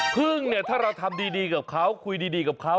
พึ่งเนี่ยถ้าเราทำดีกับเขาคุยดีกับเขา